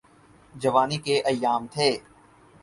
جوانی کے ایام تھے۔